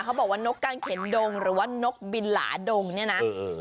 บอกว่านกก้านเข็นดงหรือว่านกบินหลาดงเนี่ยนะเออ